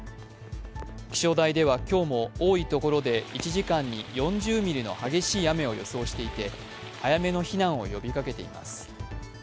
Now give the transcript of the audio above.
気象台では今日も多いところで１時間に４０ミリの激しい雨を予想していて早めの避難を呼びかけています。